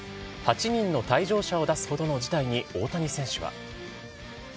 ８人の退場者を出すほどの事態に大谷選手は。